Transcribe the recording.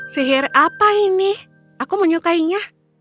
sihir apa ini aku menyukainya